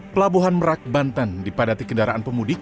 pelabuhan merak banten dipadati kendaraan pemudik